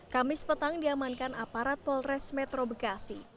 kamis petang diamankan aparat polres metro bekasi